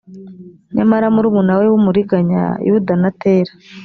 nyamara murumuna we w umuriganya yuda na tera